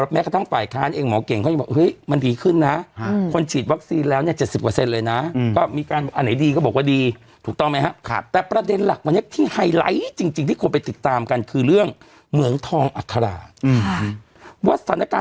ไม่ใช่หน้าที่ของท่านมีให้ผมลาออกยื่นไปลาออก